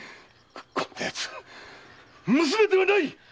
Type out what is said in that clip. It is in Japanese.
こんな奴娘ではない‼